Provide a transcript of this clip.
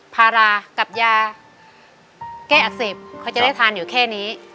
พารากับยาแก้อักเสบเขาจะได้ทานอยู่แค่นี้